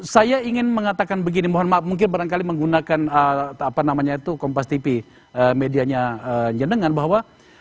saya ingin mengatakan begini mohon maaf mungkin barangkali menggunakan apa namanya itu kompas tv medianya jenengan bahwa